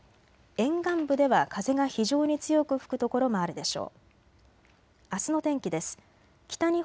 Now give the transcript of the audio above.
沿岸部では風が非常に強く吹く所もあるでしょう。